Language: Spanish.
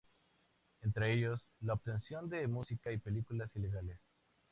entre ellos, la obtención de música y películas ilegales